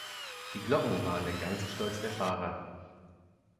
Die Glocken waren der ganze Stolz der Fahrer.